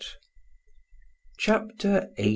Chapter 1.